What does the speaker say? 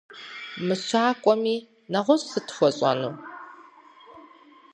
Мыщакӏуэми, нэгъуэщӏ сыт хуэщӏэну?